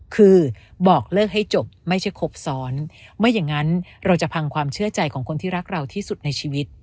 คือบอกเลิกให้จบไม่ใช่ครบซ้อนไม่อย่างนั้นเราจะพังความเชื่อใจของคนที่รักเราที่สุดในชีวิต